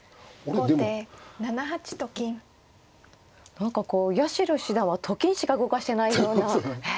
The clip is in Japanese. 何かこう八代七段はと金しか動かしてないような。